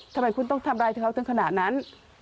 ทำไมคุณต้องทำร้ายเขาถึงขนาดนั้น